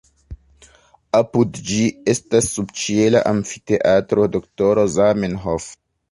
Apud ĝi estas subĉiela amfiteatro Doktoro Zamenhof.